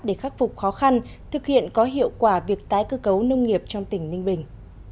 để khắc phục khó khăn thực hiện có hiệu quả việc tái cơ cấu nông nghiệp trong tỉnh ninh bình